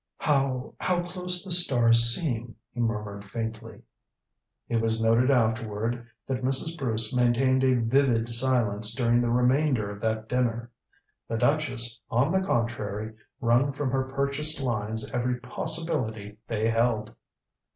"How how close the stars seem," he murmured faintly. It was noted afterward that Mrs. Bruce maintained a vivid silence during the remainder of that dinner. The duchess, on the contrary, wrung from her purchased lines every possibility they held.